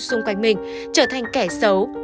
xung quanh mình trở thành kẻ xấu